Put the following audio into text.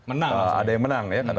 ada yang menang ya menang maksudnya